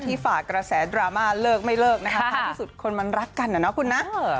ฝากกระแสดราม่าเลิกไม่เลิกนะคะท้ายที่สุดคนมันรักกันนะเนาะคุณนะ